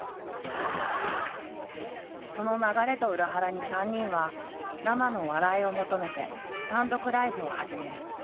その流れと裏腹に３人は生の笑いを求めて単独ライブを始める。